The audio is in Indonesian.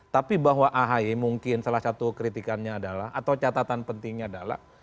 tapi bahwa ahy mungkin salah satu kritikannya adalah atau catatan pentingnya adalah